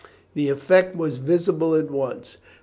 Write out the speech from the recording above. The effect was visible at once.